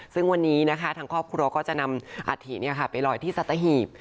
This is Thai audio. ซึ่งวันนี้นะคะทางครอบครัวก็จะนำอาถิไปลอยที่สัตหีบ